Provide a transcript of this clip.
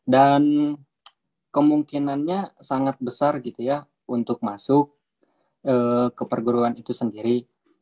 dan kemungkinannya sangat besar gitu ya untuk masuk ke perguruan itu sendiri